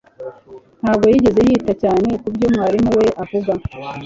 ntabwo yigeze yita cyane kubyo mwarimu we avuga